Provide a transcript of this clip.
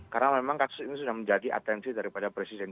karena memang kasus ini sudah menjadi atensi daripada presiden